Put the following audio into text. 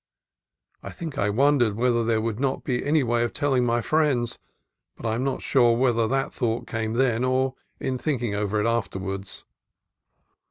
I think I wondered whether there would not be any way of telling my friends ; but I am not sure whether that thought came then, or in thinking it over afterwards.